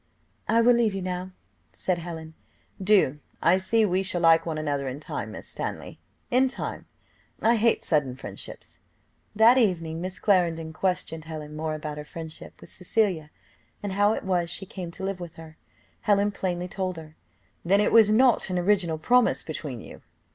"I will leave you now," said Helen. "Do, I see we shall like one another in time, Miss Stanley; in time, I hate sudden friendships." That evening Miss Clarendon questioned Helen more about her friendship with Cecilia, and how it was she came to live with her. Helen plainly told her. "Then it was not an original promise between you?"